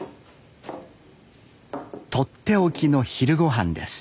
とっておきの昼御飯です。